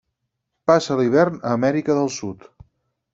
Passa l'hivern a Amèrica del Sud.